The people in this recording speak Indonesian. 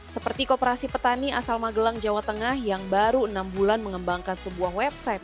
seperti koperasi petani asal magelang jawa tengah yang baru enam bulan mengembangkan sebuah website